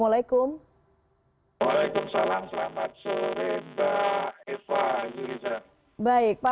waalaikumsalam selamat sore mbak eva yudhiza